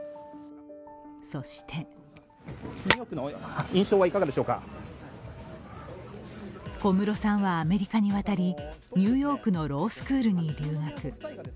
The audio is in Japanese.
そして小室さんはアメリカに渡りニューヨークのロースクールに留学。